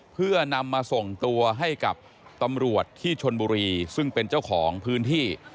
เพื่อนำมาส่งตัวให้กับตำรวจที่ชนบุรีซึ่งเป็นเจ้าของพื้นที่